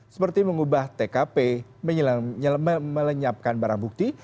seperti mengubah tkp melenyapkan barang bukti